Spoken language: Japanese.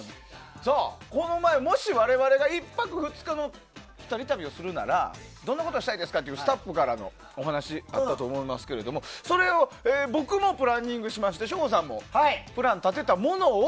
この前、もし我々が１泊２日の２人旅をするならどんなことしたいですかというスタッフからのお話があったと思いますけれどもそれを僕もプランニングしまして省吾さんもプラン立てたものを。